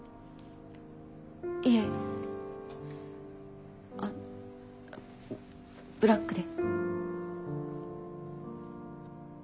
いえブラックで。